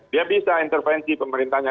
dia bisa intervensi pemerintahnya